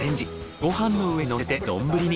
ご飯の上にのせて丼に。